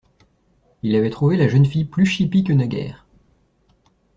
Il avait trouvé la jeune fille plus chipie que naguère.